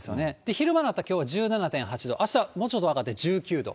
昼間などはきょう、１７．８度、あしたはもうちょっと上がって１９度。